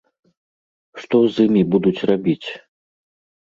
Што з імі будуць рабіць?